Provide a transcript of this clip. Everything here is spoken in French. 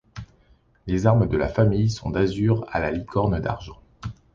Les armes de la famille sont d'azur à la licorne d'argent.